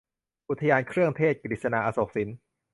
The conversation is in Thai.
อุทยานเครื่องเทศ - กฤษณา อโศกสิน